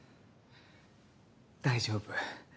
大丈夫。